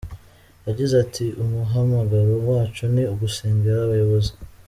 Yagize ati “ Umuhamagaro wacu ni ugusengera abayobozi.